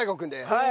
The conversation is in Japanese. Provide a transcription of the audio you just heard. はい！